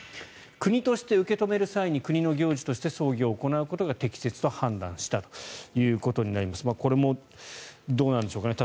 国として受け止める際に国の行事として葬儀を行うことが適切と判断したこれもどうなんでしょうかね